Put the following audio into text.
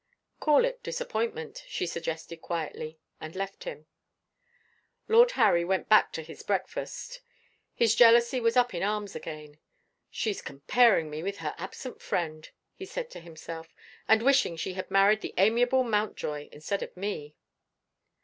"Call it disappointment," she suggested quietly, and left him. Lord Harry went back to his breakfast. His jealousy was up in arms again. "She's comparing me with her absent friend," he said to himself, "and wishing she had married the amiable Mountjoy instead of me."